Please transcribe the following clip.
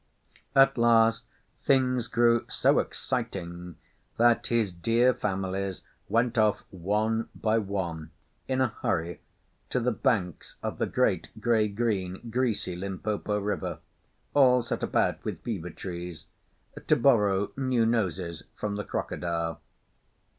At last things grew so exciting that his dear families went off one by one in a hurry to the banks of the great grey green, greasy Limpopo River, all set about with fever trees, to borrow new noses from the Crocodile.